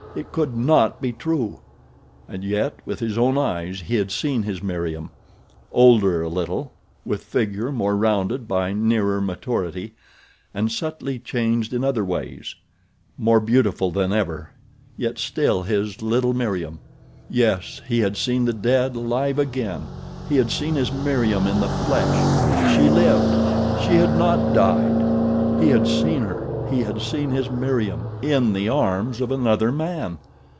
It could not be true! And yet, with his own eyes he had seen his Meriem—older a little, with figure more rounded by nearer maturity, and subtly changed in other ways; more beautiful than ever, yet still his little Meriem. Yes, he had seen the dead alive again; he had seen his Meriem in the flesh. She lived! She had not died! He had seen her—he had seen his Meriem—IN THE ARMS OF ANOTHER MAN!